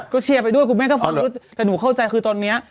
ก็เชียร์ไปด้วยคุณแม่ก็พอรู้แต่หนูเข้าใจคือตอนนี้